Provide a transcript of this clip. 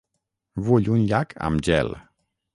Vull un llac amb gel.